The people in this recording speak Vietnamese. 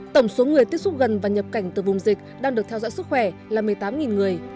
tổng số người tiếp xúc gần và nhập cảnh từ vùng dịch đang được theo dõi sức khỏe là một mươi tám người